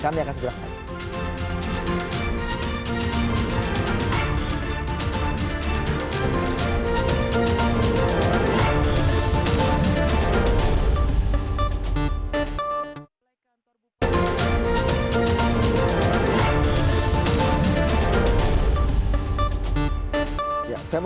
kami akan segera kembali